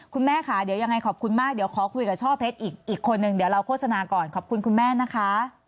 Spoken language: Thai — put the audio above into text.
คุณแม่ค่ะเดี๋ยวยังไงขอบคุณมากเดี๋ยวขอคุยกับช่อเพชรอีกคนนึงเดี๋ยวเราโฆษณาก่อนขอบคุณคุณแม่นะคะ